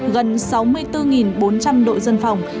gần sáu mươi bốn bốn trăm linh đội dân phòng